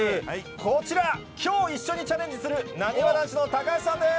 こちら、きょう一緒にチャレンジする、なにわ男子の高橋さんです。